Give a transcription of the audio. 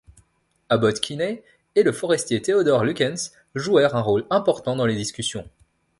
Abbot Kinney et le forestier Theodore Lukens jouèrent un rôle important dans les discussions.